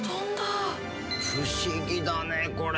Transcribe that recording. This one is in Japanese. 不思議だねこれ。